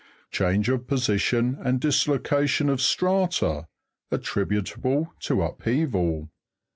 CHANGE OF POSITION AND DISLOCATION OF STRATA ATTRIBUTABLE TO UPHEAVAL.